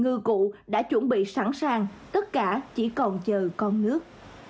người dân vùng rốn lũ đã chuẩn bị sẵn sàng tất cả chỉ còn chờ con nước